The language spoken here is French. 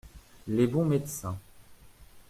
Les bons médecins.